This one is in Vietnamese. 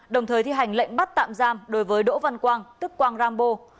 đồng thời thi hành lệnh bắt tạm giam đối với đỗ văn quang tức quang rambo